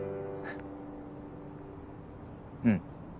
うん。